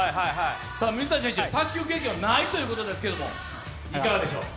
水谷選手、卓球経験はないということですけど、いかがでしょう？